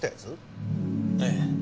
ええ。